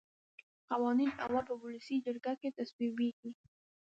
قوانین اول په ولسي جرګه کې تصویبیږي.